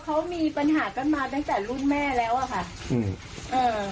เขามีปัญหากันมาตั้งแต่รุ่นแม่แล้วอ่ะค่ะอืมเอ่อ